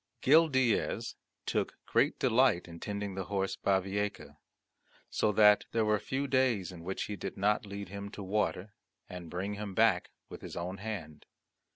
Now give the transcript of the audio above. Gil Diaz took great delight in tending the horse Bavieca, so that there were few days in which he did not lead him to water, and bring him back with his own hand.